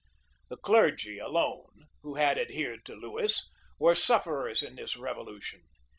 The clergy alone, who had adhered to Lewis, were sufferers in this revolution.